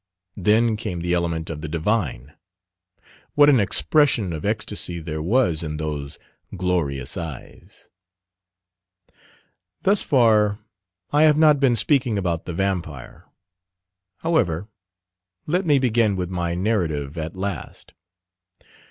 Then came the element of the divine. What an expression of ecstasy there was in those glorious eyes! Thus far I have not been speaking about the Vampire. However, let me begin with my narrative at last.